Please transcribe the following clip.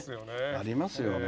ありますよね。